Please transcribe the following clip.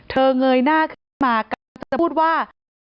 เธอเงยหน้าขึ้นมาก็จะพูดว่า